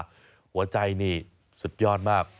หัวใจนี่สุดยอดมาก